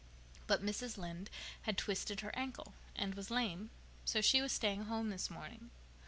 But Mrs. Lynde had twisted her ankle and was lame, so she was staying home this morning.